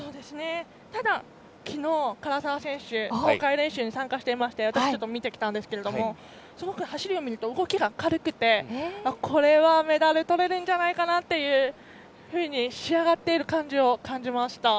ただ、昨日、唐澤選手公開練習に参加していまして私、ちょっと見てきたんですがすごく走りを見ると動きが軽くて、これはメダルがとれるんじゃないかなと仕上がっている感じを感じました。